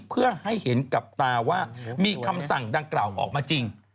เพื่อให้เห็นกับตาว่ามีคำสั่งดังกล่าวออกมาจริง